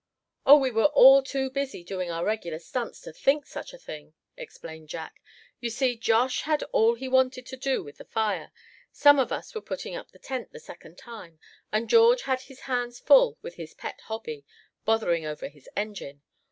"Oh! we were all too busy doing our regular stunts to think of such a thing," explained Jack. "You see, Josh had all he wanted to do with the fire; some of us were putting up the tent the second time; and George had his hands full with his pet hobby, bothering over his engine.